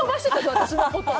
私のことを。